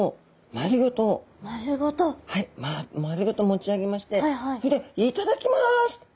丸ごと持ち上げましてそれで頂きます。